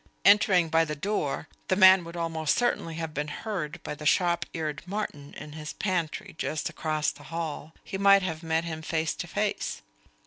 Entering by the door, the man would almost certainly have been heard by the sharp eared Martin in his pantry just across the hall; he might have met him face to face.